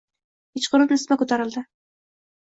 Kechqurun isitma ko‘tarildi.